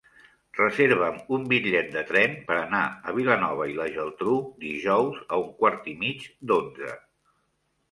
Reserva'm un bitllet de tren per anar a Vilanova i la Geltrú dijous a un quart i mig d'onze.